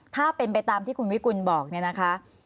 ถ้าเป็นไปตามที่คุณวิกุลบอกเนี่ยนะคะ